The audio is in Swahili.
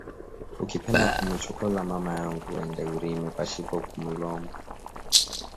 Uki penda kumu chokoza mama yangu wende urime pashipo ku mulomba